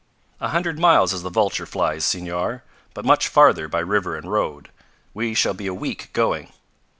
"A hundred miles as the vulture flies, Senor, but much farther by river and road. We shall be a week going."